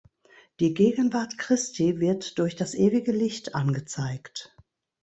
Die Gegenwart Christi wird durch das ewige Licht angezeigt.